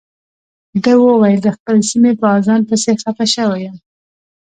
ده وویل د خپلې سیمې په اذان پسې خپه شوی یم.